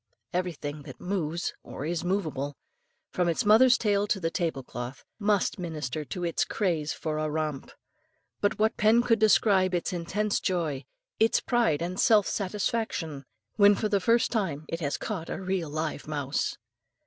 Everything that moves or is movable, from its mother's tail to the table cloth, must minister to its craze for a romp; but what pen could describe its intense joy, its pride and self satisfaction, when, for the first time it has caught a real live mouse?